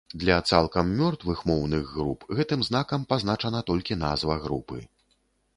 Для цалкам мёртвых моўных груп гэтым знакам пазначана толькі назва групы.